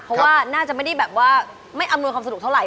เพราะว่าน่าจะไม่ได้แบบว่าไม่อำนวยความสะดวกเท่าไห